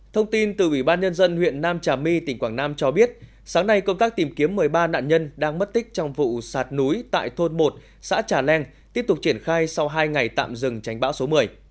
thông tin từ ủy ban nhân dân huyện nam trà my tỉnh quảng nam cho biết sáng nay công tác tìm kiếm một mươi ba nạn nhân đang mất tích trong vụ sạt núi tại thôn một xã trà leng tiếp tục triển khai sau hai ngày tạm dừng tránh bão số một mươi